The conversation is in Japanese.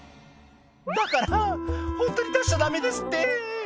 「だからホントに出しちゃダメですって」